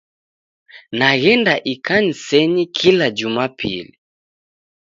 Naghenda ikanisenyi kila jumapili.